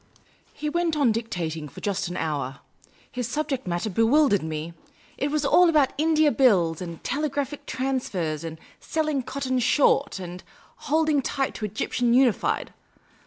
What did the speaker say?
He went on dictating for just an hour. His subject matter bewildered me. It was all about India Bills, and telegraphic transfers, and selling cotton short, and holding tight to Egyptian Unified.